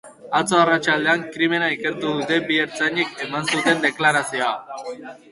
Atzo arratsaldean krimena ikertu duten bi ertzainek eman zuten deklarazioa.